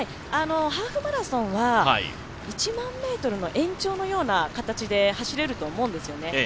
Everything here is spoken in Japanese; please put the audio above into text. ハーフマラソンは１００００ｍの延長のような形で走れると思うんですよね。